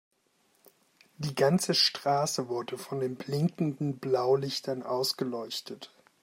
Die ganze Straße wurde von den blinkenden Blaulichtern ausgeleuchtet.